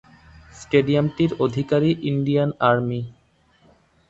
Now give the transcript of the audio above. স্টেডিয়ামটির অধিকারী Indian army.